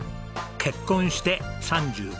結婚して３５年。